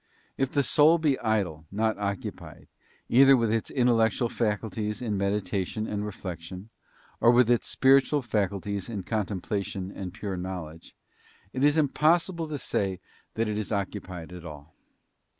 ,If the soul be idle, not occupied, either with its intellectual faculties in medita _ tion and reflection, or with its spiritual faculties in contem _ plation and pure knowledge, it is impossible to say that it S : is occupied at all.